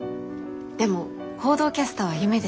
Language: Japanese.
でも報道キャスターは夢ですから。